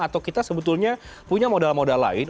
atau kita sebetulnya punya modal modal lain